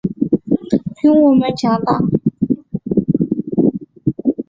比我们强大